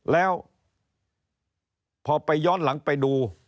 แล้วพอไปย้อนหลังไปดู